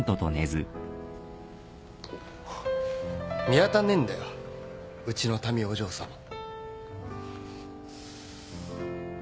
見当たんねえんだようちの多美お嬢さま。